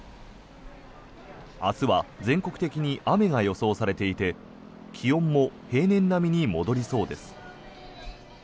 明日は全国的に雨が予想されていて気温も平年並みに戻りそうです。